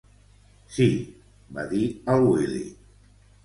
Sí —va dir el Willy–.